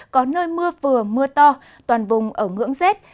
có nơi mưa vừa mưa to toàn vùng ở ngưỡng rét